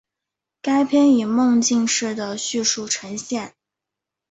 该片以梦境式的叙述呈现。